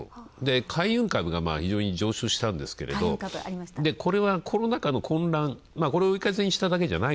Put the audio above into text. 海運株がひじょうに上昇したんですが、これはコロナ禍の混乱、これを受けただけじゃない。